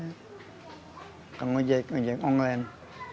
nggak mau jayak ngojek online